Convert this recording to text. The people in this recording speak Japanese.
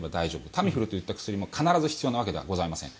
タミフルといった薬も必ず必要なわけではありません。